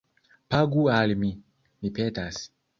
Pagu al mi, mi petas